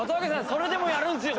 それでもやるんですよ！